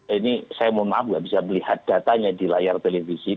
ini saya mohon maaf nggak bisa melihat datanya di layar televisi